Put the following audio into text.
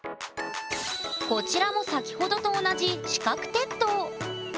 こちらも先ほどと同じ四角鉄塔。